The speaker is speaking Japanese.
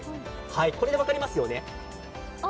これで分かりますよね。